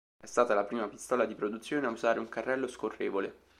È stata la prima pistola di produzione a usare un carrello scorrevole.